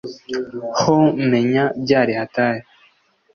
ho menya byari hatari